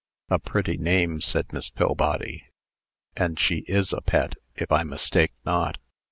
"A pretty name," said Miss Pillbody; "and she is a pet, if I mistake not."